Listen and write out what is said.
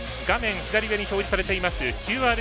右上に表示されています